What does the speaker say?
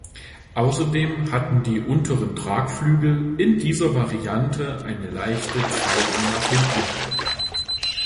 Außerdem hatten die unteren Tragflügel in dieser Variante eine leichte Pfeilung nach hinten.